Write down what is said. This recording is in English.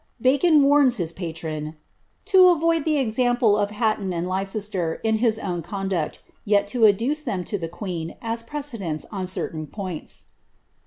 Bacon warns his patron ^ to avoid the ex ample of Hatton and Leicester, in his own conduct, yet to adduce them to the queen as precedents on certain points."